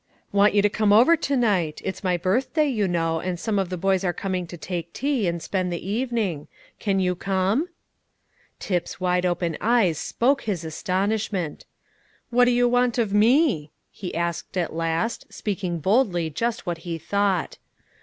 "Want you to come over to night. It's my birthday, you know, and some of the boys are coming to take tea, and spend the evening. Can you come?" Tip's wide open eyes spoke his astonishment. "What do you want of me?" he asked at last, speaking boldly just what he thought.